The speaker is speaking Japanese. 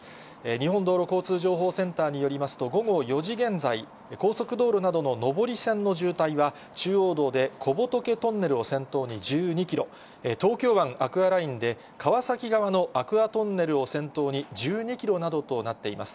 日本道路交通情報センターによりますと、午後４時現在、高速道路などの上り線の渋滞は、中央道で小仏トンネルを先頭に１２キロ、東京湾アクアラインで川崎側のアクアトンネルを先頭に１２キロなどとなっています。